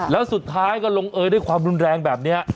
แล้วสุดท้ายก็ลงเอยด้วยความรุนแรงแบบนี้